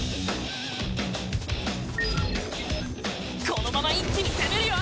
このまま一気に攻めるよ！